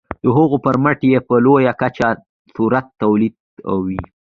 د هغوی پرمټ یې په لویه کچه ثروت تولیداوه.